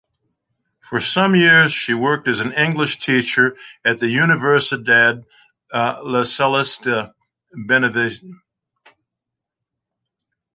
For some years she worked as an English teacher at the Universidad Lasallista Benavente.